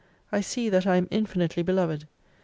I see that I am infinitely beloved.